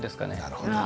なるほど。